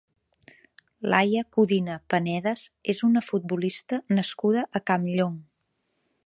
Laia Codina Panedas és una futbolista nascuda a Campllong.